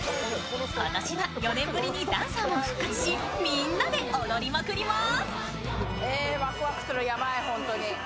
今年は４年ぶりにダンサーも復活しみんなで踊りまくります。